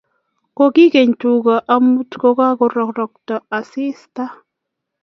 Kogikey tuga amut kogarotokto asista